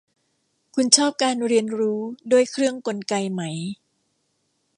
คุณชอบการเรียนรู้ด้วยเครื่องกลไกไหม